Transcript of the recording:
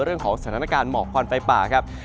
เรื่องของสถานการณ์หมอกควันไฟป่าครับ